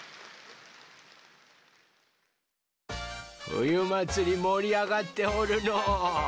ふゆまつりもりあがっておるのう。